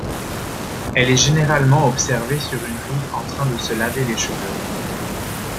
Elle est généralement observée sur une rive en train de se laver les cheveux.